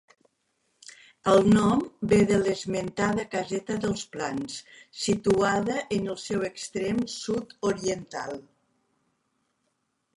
El nom ve de l'esmentada Caseta dels Plans, situada en el seu extrem sud-oriental.